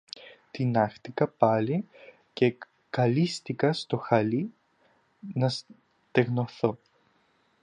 Τινάχτηκα πάλι και κυλίστηκα στο χαλί να στεγνωθώ